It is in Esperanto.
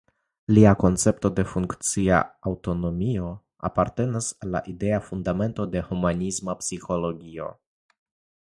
Lia koncepto de "funkcia aŭtonomio" apartenas al la idea fundamento de la humanisma psikologio.